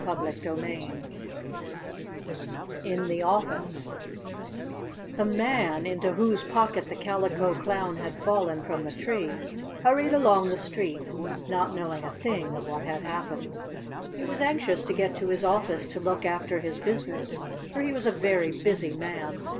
CHAPTER VI IN THE OFFICE The Man, into whose pocket the Calico Clown had fallen from the tree, hurried along the street, not knowing a thing of what had happened. He was anxious to get to his office to look after his business, for he was a very busy Man.